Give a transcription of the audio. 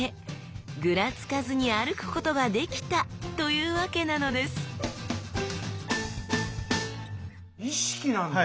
グラつかずに歩くことができた！というわけなのです意識なんだ！